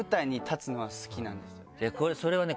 それはね